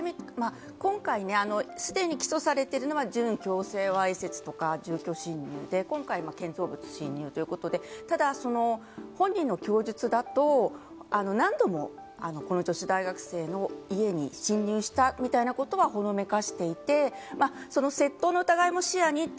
今回ね、すでに起訴されているのは準強制わいせつとか、住居侵入で今回、建造物侵入ということでただ本人の供述だと、何度もこの女子大学生の家に侵入したみたいなことはほのめかしていて、窃盗の疑いも視野にって